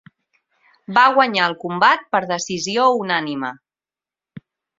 Va guanyar el combat per decisió unànime.